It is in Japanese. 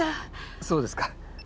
そうですか。